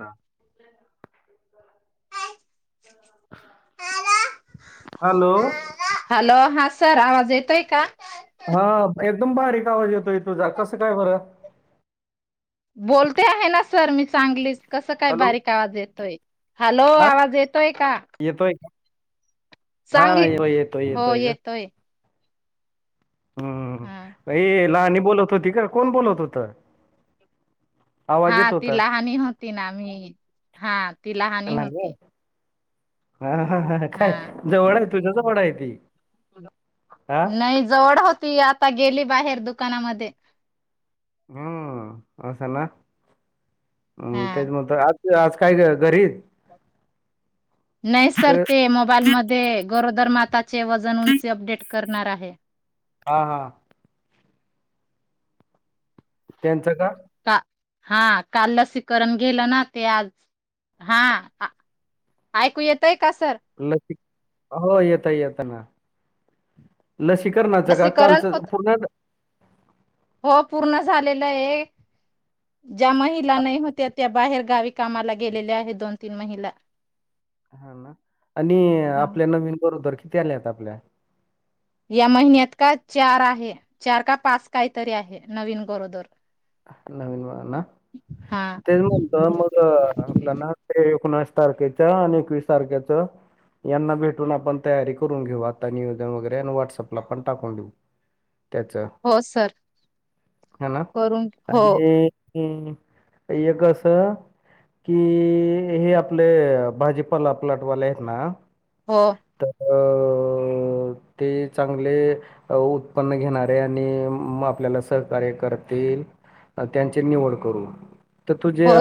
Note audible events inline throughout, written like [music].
ह. Hello. Hello हा sir आवाज येतोय का. हा एकदम बारीक आवाज येतोय तुझा कसं काय बर बोलते आहे ना सर मी चांगलीच कसं काय हॅलो बारीक आवाज येतोय. हॅलो हा आवाज येतोय का. येतोय का हा चांगली येतोय येतोय का. हम्म हा हे लहणी बोलत होती का कोण बोलत होत. हा ती लहानी होती ना मी हा ती लहनी लहानी होती. हा हा ह काय जवळ आहे तुझ्या जवळ आहे ती. हा नाही जवळ होती आता गेली बाहेर दुकानामध्ये हम् अससाना हा ते मत. आज काय घरी. नाही सर क- ते मोबाईल मध्ये गरोदर माताचे वजन उंचे अपडेट करणार आहे. हा हा. त्यांचं का का हा काल लसीकरण गेलं ना ते आज हा ऐकू येतय का सर लस हो येत येत ना. लसीकरणाचं का लसीकरण होत कालचं पूर्ण. हो पूर्ण झालेलं आहे. ज्या महिला नाही होत्या त्या बाहेर गावी कामाला गेलेल्या आहेत दोन तीन महिला हा ना आणि हा आपल्या नवीन बरोदर किती आल्या आहेत आपल्या. या महिन्यात का चार आहे चार का पाच काहीतरी आहे नवीन गरोदर नवीन मगना हा तेच म्हणत मग. ना ते एकोणस तारखेच्या आणि एकवीस तारखेच यांना भेटून आपण तयारी करून घेऊ आता नियोजन वगैरे आणि व्हॉट्सअपला पण टाकून देऊ. त्याचं. हो सर करून हो. य कस कि हे आपले भाजीपाला प्लटवाले आहेत ना हो. तर ते चांगले. अ उत्पन्न घेणारे आणि आपल्याला सहकार्य करतील त्यांची निवड करू तर तुझे हो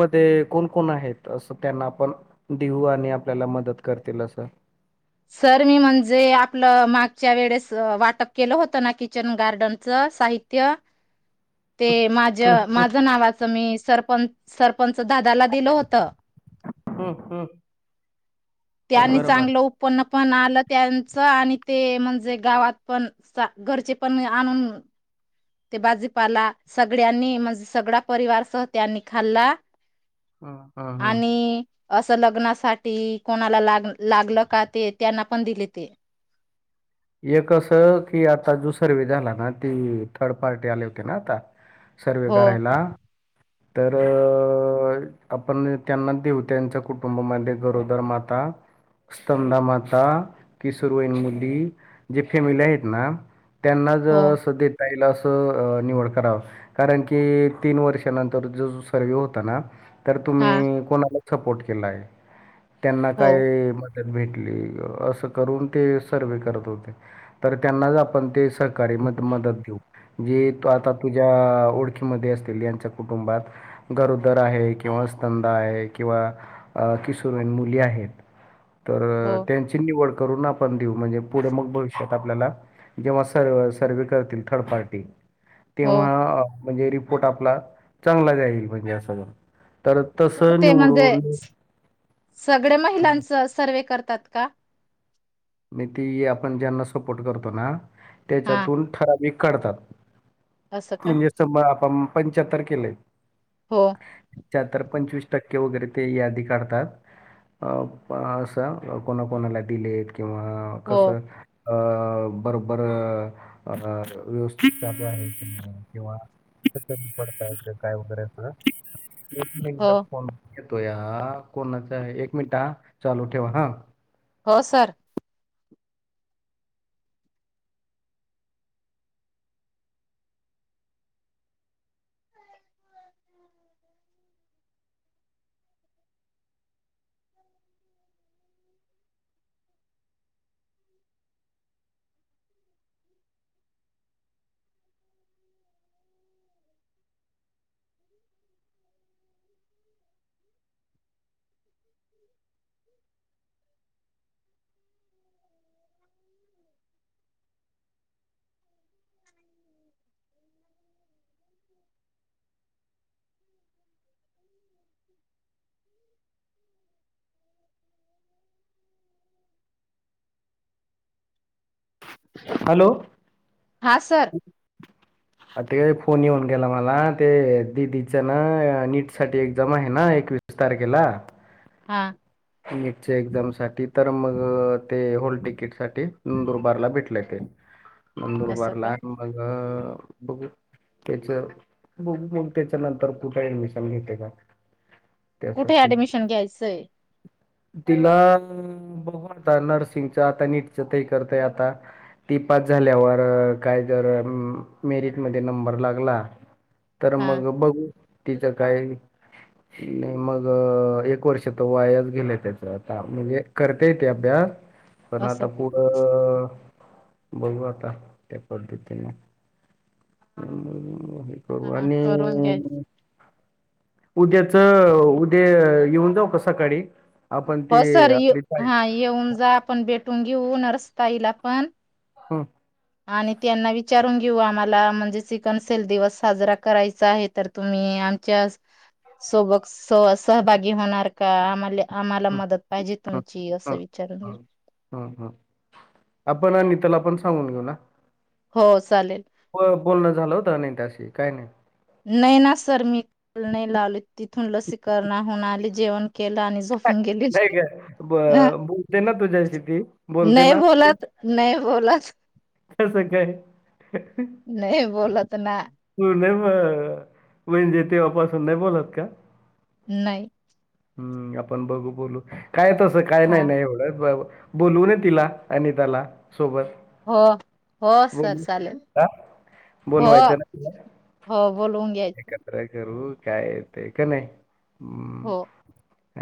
मध्ये कोण कोण आहेत असं त्यांना आपण देऊ आणि आपल्याला मदत करतील असं. सर मी म्हणजे आपलं मागच्या वेळेस वाटप केलं होतं ना किचन गार्डन? साहित्य. ह ते माझ माझ नावाचं मी सरपं सरपंच दादाला दिलं होतं. हो हो. त्यांनी चांगलं उत्पन्न पण आलं त्यांचं आणि ते म्हणजे गावात पण. सा घरचे पण आणून. ते बाजीपाला सगळ्यांनी म्हणजे सगळा परिवारसह त्यांनी खाल्ला. हा. आणि. असं लग्नासाठी कोणाला लाग लागलं का ते त्यांना पण दिले ते? एक अससं की आता जो सर्वी झाला ना ती थर्ड पार्टी आले होते ना आता. सर्वे हो करायला तर अ. होय आपण त्यांना देऊ त्यांच्या कुटुंबामध्ये गरोदर माता. स्तंधा माता किशोरवयीन मुली? जे फॅमिली आहेत ना त्यांनाच हो असं देताईल असं निवड करावं कारण की तीन वर्षानंतर जो सर्वे होता ना तर हा तुम्ही कोणालाच सपोर्ट केला आहे त्यांना हो काय मदत भेटली अस करून ते सर् करत होते तर त्यांनाच आपण ते स कार्य मधे मदत घेऊ जे आता त तुझ्या ओळखीमध्ये असतील यांच्या कुटुंबात गरोदर आहे किंवा स्तनदा आहे किंवा - अ किशोर वईन मुली आहेत. तर हो त्यांची निवड करून आपण देऊ म्हणजे पुढे मग भवि त्यात आपल्याला जेव्हा सर् सर्वे करतील थर्ड पार्टी हो तेव्हा म्हणजे रिपोर्ट आपला चांगला जाईल म्हणजे अस ज तर. तर तसं ते म्हणजे निवडून स सगळ्या महिलांचं सर्वे करतात का? म ते आपण ज्यांना सपोर्ट करतो ना हा त्याच्यातून ठराविक कारतात असं का म्हणजे सम आपण पंचाहत्तर केले. हो च्यातर पंचवीस टक्के वगैरे ते यादी काढतात. अ ब असं कोणा कोणाला दिलेत किंवा हो कसं. अ बरोबर अ व्यवस्थित आहे किंवा. कुट कमी पडताय की काय वगैरे अस एक मिंट हो फोन येतो या कोणाचा आहे एक मिनिट ह चालू ठेवा हा. हो सर हॅलो हा सर [inaudible] आ ते फोन येऊन गेला मला ते दीदीचं ना नीट साठी एकझाम आहे ना एकवीस - तारखेला - हां नीटच्या एक्झाम साठी तर मग ते होल टिकीट साठी नंदुरबारला भेटलय ते नंदूर असं का बरला मग त्याच बुग बुग त्याच्या नंतर कुठे ऍडमिशन घेते का? कुठे त्यासाठी. ऍडमिशन घ्यायचंय? तिला बघु अता नर्सिंगच आता नीटच ते करतय आता. ती पाच झाल्यावर काय जर अ मेरिटमधध्ये नंबर लागला. तर हा मग बघू तिचं काही मग एक वर्ष? त् वायाच गेलय त्याच आता म्हणजे करतेय ती अभ्यास पण असं आता पुढं...... बघु आता त्या पध्दतीन [unintelligible] करू हा आणि करून घ्यायच उद्याच उद्या येऊन जाऊ का सकाळी आपण हो ती सर ये आपली पाय - हा येऊन जा आपण भेटून घेऊ नर्सताईला पण हम आणि त्यांना विचारून घेऊ आम्हाला म्हणजे चिकनसेल दिवस साजरा करायचा आहे तर - तुम्ही आमच्या सोबक स सहभागी होणार का आम्हाले आम्हाला हं मदत पाहिजे तुमची असं विचारून घेऊ ह ह आपण आनिताला पण सांगून घेऊ ना हो चालेल बोलणं झालं होतं आनिताशी काय नाही नय ना सर मी काल नाही लावली तिथून लसीकरणा हुन आले जेवण केला आणि जपून गेली नाही का ब अ बोलते ना तुझ्याशी ती बोलते नाही ना बोलत नाही बोलाच. कसं काय. नाही बोलत ना. तू नाही म वईन जेतेव्हापासून नाही बोललात का? नाही. हम्म आपण बघू बोलू काय तसं काय नाही हा नाही एवढं बोलवू न तिला आणि त्याला सोबत. हो हो सर बोलू चालेल का? हो बोलवायचं ना. हो बोलवून घ्यायचं एकत्र करू काय येत का नाही् ह. हो.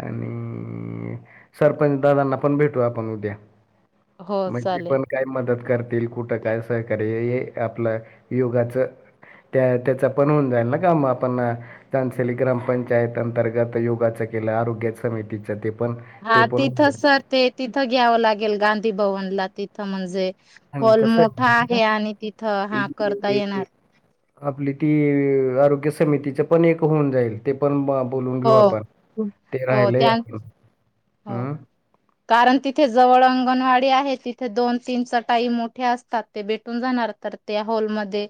आणि सरपंच दादांना पण भेटू आपण उद्या. हो मग ते चालेल पण काय मदत करतील कुठं काय सहकार्य हे आपलं युगाचं त्या त्याचा पण होऊन जाईल ना काम आपण. तंसली ग्रामपंचायत अंतर्गत योगाचं केलं आरोग्य समितीच ते पण हा ते पण होऊन तिथं जाईल. सर ते तिथं घ्यावं लागेल गांधी भवनला तिथं म्हणजे आणि हॉल कसं मोठा ना आहे आणि तिथं हा इ- करता इ- येणार. इ- आपली ती आरोग्य समितीच पण एक होऊन जाईल. ते पण बोलून घेऊ हो आपण ते हो राहिलंय त्या आपलं, हो हम्. कारण तिथे जवळ अंगणवाडी आहे तिथे दोन तीन चटाई मोठे असतात ते भेटून जाणार. तर त्या हॉलमध्ये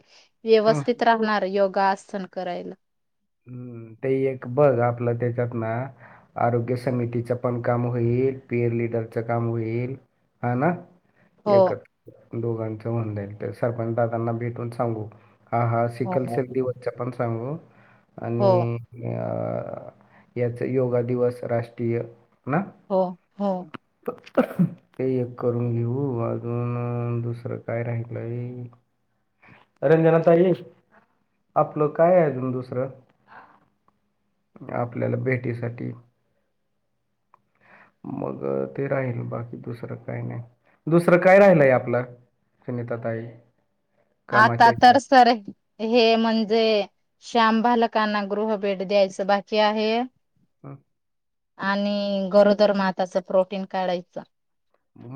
हं. व्यवस्थित राहणार योगासन करायला. हम्म ते एक बघ आपलं त्याच्यात ना. आरोग्य समितीच पण काम होईल पेर लिडरच काम होईल हा ना. हो एकत दोघांच होनजाईल तर सरपंच दादांना भेटून सांगू हा हा सिकल हो सल्दी वरच्या पण सांगू हो आणि अ याच योगा दिवस राष्ट्रीय ना. हो हो. प. ते एक करून घेऊ अजून दुसरं काय राहिलंय रंजनाताई, आपलं काय अजून दुसरं. आपल्याला भेटीसाठी. दुसरं काय राहिलय आपलं. सुनीता ताई. आता तर सर हे म्हणजे श्याम बालकांना गृह भेट द्यायचं बाकी आहे. हम. आणि गरोदर माताचं प्रोटीन काढायचं.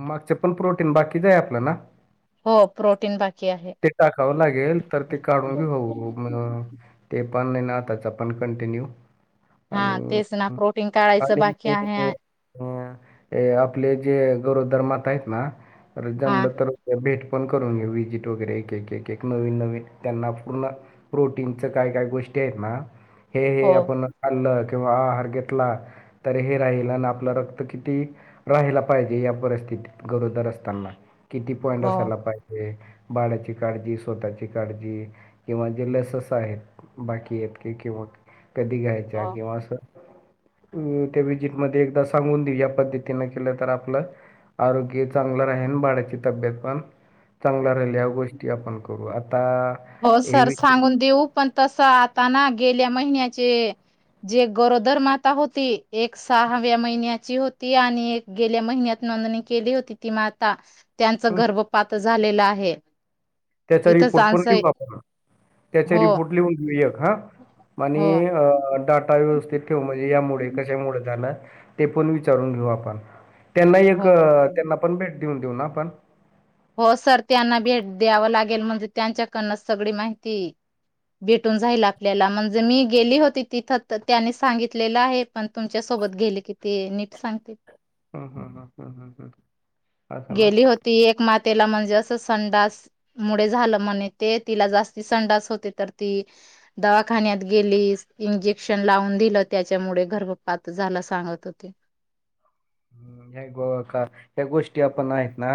मागचे पण प्रोटीन बाकीच आहे आपल्या ना. हो प्रोटीन बाकी आहे ते टाकावं लागेल तर ते काढून घेऊ म ते पण ना त्याचा पण कंटिन्यू हा तेच ना प्रोटीन काढायचं बाकी आणिले आहे त अ ते आपले जे गौरव धर्मात आहेत ना हा जमलं तर भेट पण करून घेऊ वजिट वगैरे एक एक नवीन नवीन त्यांना पूर्ण प्रोटीनच काय काय गोष्टी आहेत ना हे हे हो आपण आणलं किंवा आहार घेतला तरी हे राहिल आणि आपलं रक्त किती राहायला पाहिजे या परिस्थितीत गरोदर असताना, किती पॉइंट हो असायला पाहिजे? बाळाची काळजी स्वतःची काळजी किंवा जे लस अस आहेत बाकी आहेत की किंवा कधी गाय जा हो कि म अस अ त्या विजिट मध्ये एकदा सांगून देऊ या पद्धतीन केलं तर आपलं आरोग्य चांगलं राहीन बाड्याची तब्येत पण चांगलं ल्या गोष्टी आपण करू आता हो हे सर वि सांगून देऊ पण तस आता ना गेल्या महिन्याचे जे गरोदर माता होती एक सहाव्या महिन्याची होती आणि एक गेल्या महिन्यात नोंदणी केली होती ती माता त्यांच हं, गर्भपात झालेलं आहे त्याचा इथंच रिपोर्ट पण देेऊ आन्सय आपण त्याचे हो रिपोर्ट लिहून घेऊ एक हा आणि हो डॉट व्यवस्थ ठेव म्हणजे यामुळे कशामुळे जाणार ते पण विचारून घेऊ आपण त्यांना एक हो त्यांना पण भेट देऊन देऊ ना आपण हो सर त्यांना भेट द्यावं लागेल म्हणजे त्यांच्याकडन सगळी माहिती भेटून जाईल आपल्याला म्हणजे मी गेली होती तिथं त्याने सांगितलेलं आहे पण तुमच्यासोबत गेले कि ते नीट सांगते हम्म हम् हम्म हम्म हम् हम् अ ना ती एक मातेला म्हणजे असं संडास मुळे झालं म्हणे ते तिला जास्ती संडास होते तर ती दवाखान्यात गेली इंजेक्शन लावून दिलं त्याच्यामुळे गर्भपात झाला सांगत होते ह् ह ग का ह गोष्टी आपण आहेत ना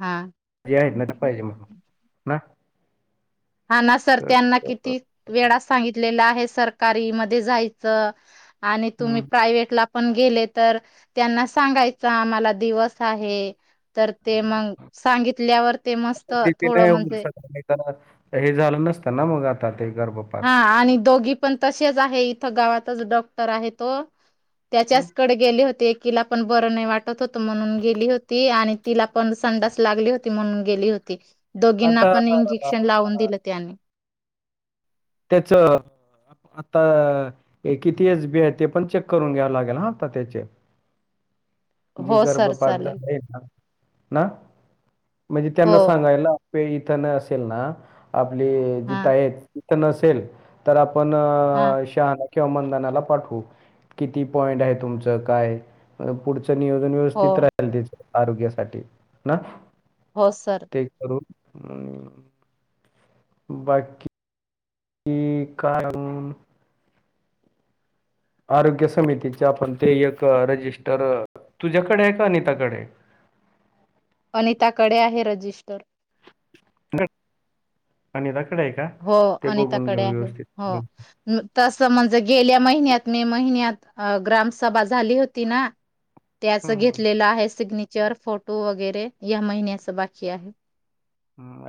हा ज आहेत न पाहिजे म्हणून ना हा ना सर तर त्यांना अ, किती वेळा सांगितलेला आहे सरकारी मध्ये जायचं आणि तुम्ही हं. प्रायव्टला पण गेले तर त्यांना सांगायच आम्हाला दिवस आहे तर ते मग सांगितल्यावर ते मस्त पती थोडं नाही होईल म्हणजे सगळ नाही हे झालं नसतं ना मग आता ते गर्भ हा आणि दोघी पण तसेच आहे इथं गावातच डॉक्टर आहे तो हं. त्याच्याचकडे गेली होती एकीला पण बर नाही वाटत होत म्हणून गेली होती आणि तिला पण संडास लागली होती म्हणून गेली होती दोघींना आता आपण इंजेक्शन लावून अ, दिलं त्यानी त्याचं आता किती एच बी आहे ते पण चेक करून घ्यावं लागेल हा आता त्याचे [unintelligible] जे हो सर गर्भपात चालेल झाला ना ना म्हणजे हो त्यांना सांगायला इथ न असेल ना आपली हा जिथय तिथ नसेल तर आपण हा शहाण किंवा मनदानाला पाठवू किती पॉइंट आहे तुमचं काय पुढ नियोजन हो व्यवस्थित राल त्या आरोग्यासाठी ना हो सर ते करू आणि बाकी कि कायम आरोग्य समितीचे आपण ते एक रजिस्टर तुझ्याकडे आहे का अनिताकडे? अनिताकडे आहे रजिस्टर, अनिताकडे आहे का? हो ते बघून घेऊ अनिताकडे आहे. व्यवस्थित. हम्म हो तसं म्हणजे गेल्या महिन्यात मे महिन्यात ग्रामसभा झाली होती ना, त्याच हम्म. घेतलेलं आहे सिग्नेचर फोटो वगैरे या महिन्याच बाकी आहे.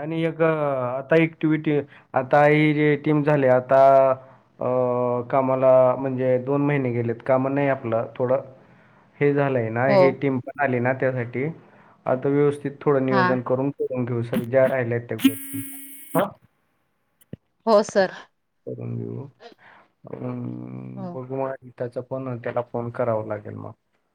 आणि एक आता अँक्टिव्हिटी आता ही जे टीम झाली आता, अ कामाला म्हणजे दोन महिने गेलेत काम नाही आपलं थोडं, हे झालंय, हो नाही टीम पण आली ना त्यासाठी आता व्यवस्थित थोड हा नियोजन करून करून घेऊ, सज्या राहिल्या त्या गष्ट हा हो सर करून देऊ हो बघ त्याचा पण त्याला फोन करावं लागेल मग